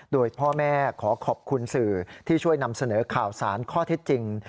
โดยพ่อแม่ขอขอบคุณสื่อที่ช่วยนำเสนอข่าวสารข้อเท็จจริง